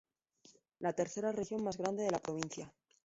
Es la tercera región más grande de la provincia.